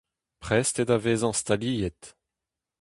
Prest eo da vezañ staliet.